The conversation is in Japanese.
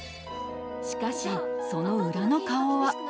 しかしその裏の顔は。